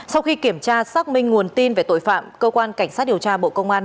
sau khi kiểm tra xác minh nguồn tin về tội phạm cơ quan cảnh sát điều tra bộ công an